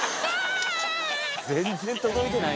全然届いてない。